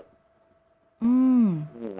อืม